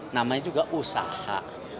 namanya juga usaha